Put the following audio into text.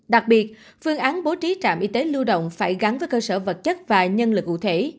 đặc biệt phương án bố trí trạm y tế lưu động phải gắn với cơ sở vật chất và nhân lực cụ thể